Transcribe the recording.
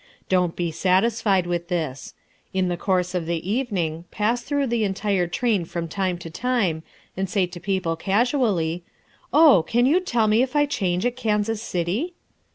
Don't be satisfied with this. In the course of the evening pass through the entire train from time to time, and say to people casually, "Oh, can you tell me if I change at Kansas City?"